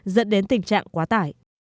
dẫn đến tình trạng quá tải